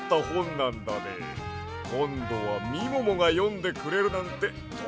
こんどはみももがよんでくれるなんてとってもうれしいわ。